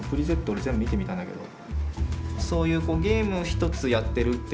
俺全部見てみたんだけど。